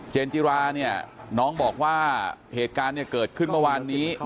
จิราเนี่ยน้องบอกว่าเหตุการณ์เนี่ยเกิดขึ้นเมื่อวานนี้